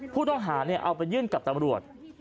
ผู้ต้องหาเอาไปยื่นกับตำรวจ